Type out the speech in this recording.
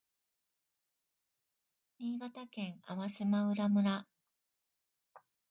新潟県粟島浦村